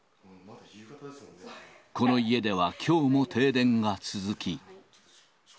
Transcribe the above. この家ではきょうも停電が続き。